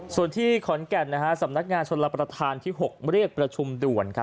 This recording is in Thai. ส่วนที่ขอนแก่นสำนักงานชนรับประทานที่๖เรียกประชุมด่วน